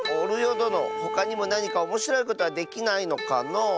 どのほかにもなにかおもしろいことはできないのかのう？